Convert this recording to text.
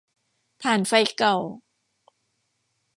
ถ่านไฟเก่า